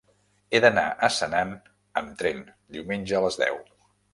He d'anar a Senan amb tren diumenge a les deu.